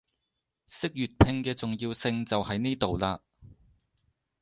識粵拼嘅重要性就喺呢度喇